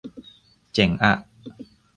เจ๋งอะ